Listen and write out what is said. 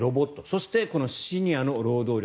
そして、シニアの労働力。